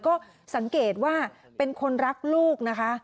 ก็สังเกตว่าเป็นคนรักลูกนะคะ